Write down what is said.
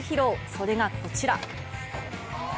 それがこちら。